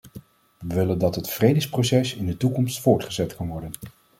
We willen dat het vredesproces in de toekomst voortgezet kan worden.